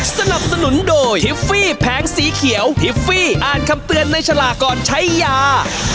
สนับสนุนโดยทิฟฟี่แผงสีเขียวทิฟฟี่อ่านคำเตือนในฉลากก่อนใช้ยา